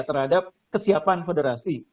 terhadap kesiapan federasi